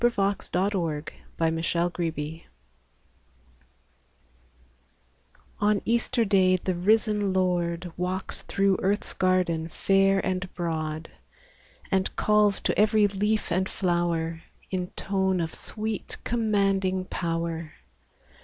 16 EASTER CAROLS EASTER DAY ON Easter Day the risen Lord Walks through earth's garden, fair and broad, And calls to every leaf and flower In tone of sweet, commanding power.